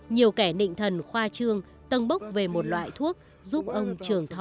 nhiều kẻ nịnh thần khoa trương bốc về một loại thuốc giúp ông trường thọ